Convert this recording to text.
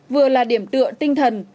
vừa là điểm tựa tinh thần